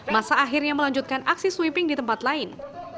masa akhirnya melanjutkan aksi sweeping di tempat lain